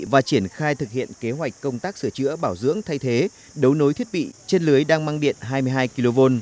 và triển khai thực hiện kế hoạch công tác sửa chữa bảo dưỡng thay thế đấu nối thiết bị trên lưới đang mang điện hai mươi hai kv